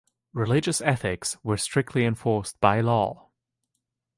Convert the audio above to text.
Religious ethics were strictly enforced by law.